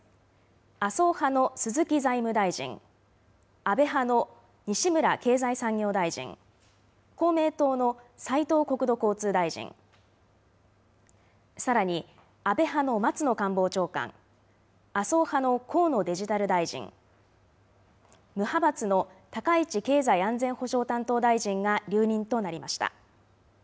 麻生派の鈴木財務大臣、安倍派の西村経済産業大臣、公明党の斉藤国土交通大臣、さらに安倍派の松野官房長官、麻生派の河野デジタル大臣、無派閥の高市経済安全保障担当大臣が留任となりました。